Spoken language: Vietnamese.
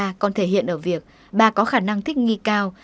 vanga còn thể hiện ở việc bà có khả năng thích nghi cao